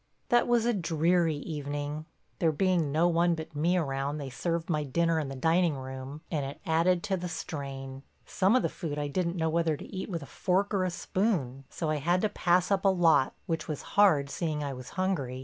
That was a dreary evening. There being no one but me around they served my dinner in the dining room, and it added to the strain. Some of the food I didn't know whether to eat with a fork or a spoon, so I had to pass up a lot which was hard seeing I was hungry.